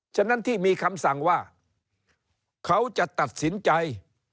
ฉะนั้นที่มีคำสั่งว่าเขาจะตัดสินใจ